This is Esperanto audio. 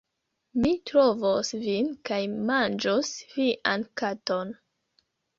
Mi trovos vin kaj manĝos vian katon!